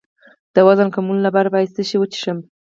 د وزن کمولو لپاره باید څه شی وڅښم؟